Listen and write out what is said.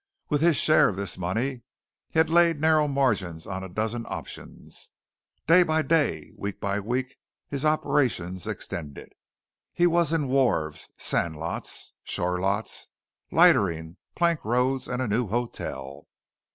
With his share of this money he had laid narrow margins on a dozen options. Day by day, week by week, his operations extended. He was in wharves, sand lots, shore lots, lightering, plank roads, a new hotel.